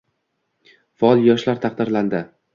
Faol yoshlar taqdirlandi